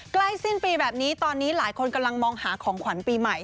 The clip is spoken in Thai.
ใกล้สิ้นปีแบบนี้ตอนนี้หลายคนกำลังมองหาของขวัญปีใหม่